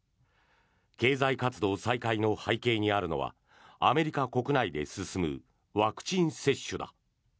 経済活動再開の背景にあるのはアメリカ国内で進むワクチン接種だ。